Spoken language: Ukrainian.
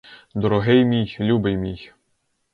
Дорогий мій, любий мій!